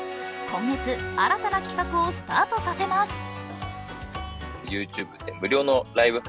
今月、新たな企画をスタートさせます。